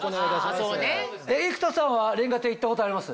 生田さんは煉瓦亭行ったことあります？